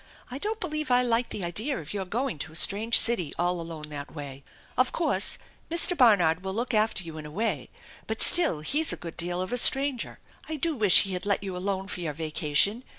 I don't believe I like the idea of your going to a strange city, all alone that way. Of course Mr. Barnard will look after you in a way, but still he's a good deal of a stranger. I do wish he had let you alone for your vacation.